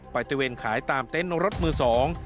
ตะเวนขายตามเต็นต์รถมือสอง